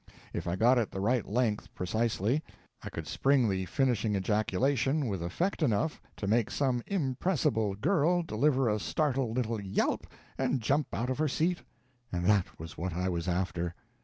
If I got it the right length precisely, I could spring the finishing ejaculation with effect enough to make some impressible girl deliver a startled little yelp and jump out of her seat and that was what I was after.